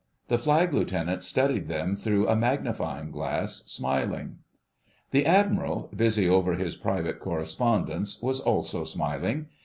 The Flag Lieutenant studied them through a magnifying glass, smiling. The Admiral, busy over his private correspondence, was also smiling.